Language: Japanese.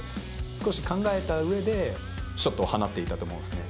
少し考えたうえで、ショットを放っていたと思うんですね。